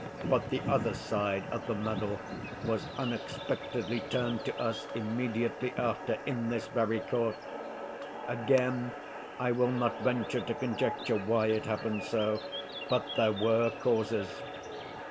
But the other side of the medal was unexpectedly turned to us immediately after in this very court. Again I will not venture to conjecture why it happened so, but there were causes.